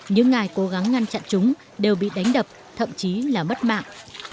những ai cố gắng ngăn chặn chúng đều bị đánh đập thậm chí là mất mạng